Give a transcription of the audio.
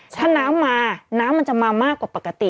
ถ้าน้ำมาน้ำมันจะมามากกว่าปกติ